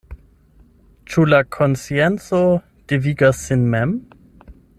Ĉu la konscienco devigas sin mem?